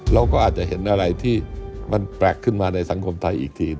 เราก็อาจจะเห็นอะไรที่มันแปลกขึ้นมาในสังคมไทยอีกที